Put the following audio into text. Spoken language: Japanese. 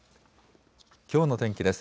きょうの天気です。